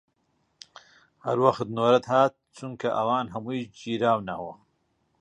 هەر وەخت نۆرەت هات، چونکە ئەوانە هەموو گیراونەوە